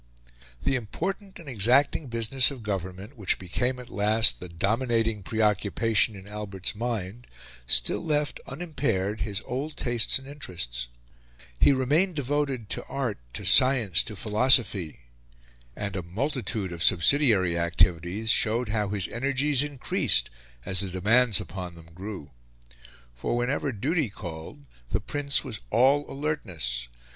The important and exacting business of government, which became at last the dominating preoccupation in Albert's mind, still left unimpaired his old tastes and interests; he remained devoted to art, to science, to philosophy, and a multitude of subsidiary activities showed how his energies increased as the demands upon them grew. For whenever duty called, the Prince was all alertness.